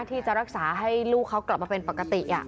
ที่จะรักษาให้ลูกเขากลับมาเป็นปกติ